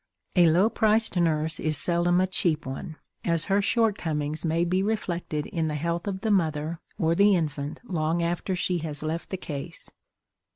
A low priced nurse is seldom a cheap one, as her shortcomings may be reflected in the health of the mother or the infant long after she has left the case.